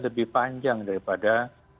lebih panjang daripada